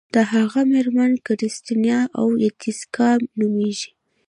د هغه میرمن کریستینا اویتیسیکا نومیږي.